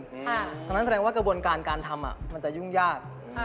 เพราะฉะนั้นแสดงว่ากระบวนการการทำมันจะยุ่งยาก